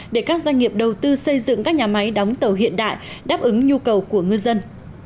để các doanh nghiệp đầu tư xây dựng các nhà máy đóng tàu hiện đại đáp ứng nhu cầu của ngư dân